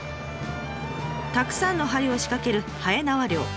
たくさんの針を仕掛けるはえなわ漁。